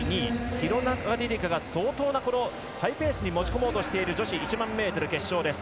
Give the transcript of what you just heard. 廣中璃梨佳が相当なハイペースに持ち込もうとしている女子１００００ｍ決勝です。